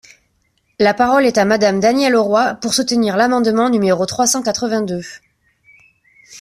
La parole est à Madame Danielle Auroi, pour soutenir l’amendement numéro trois cent quatre-vingt-deux.